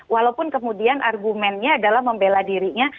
walaupun kemudian argumennya adalah membela dirinya